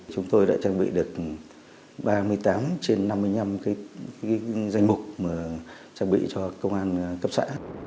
chúng tôi đã trang bị được ba mươi tám trên năm mươi năm danh mục trang bị cho công an cấp xã